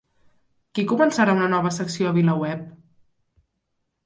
Qui començarà una nova secció a VilaWeb?